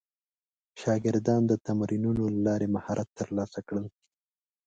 شاګردان د تمرینونو له لارې مهارت ترلاسه کړل.